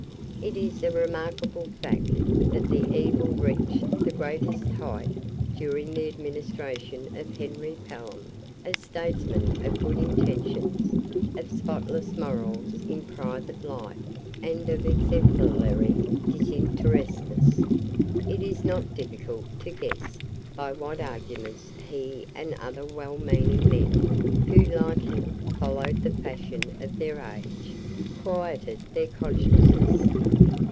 It is a remarkable fact that the evil reached the greatest height during the administration of Henry Pelham, a statesman of good intentions, of spotless morals in private life, and of exemplary disinterestedness. It is not difficult to guess by what arguments he and other well meaning men, who, like him, followed the fashion of their age, quieted their consciences.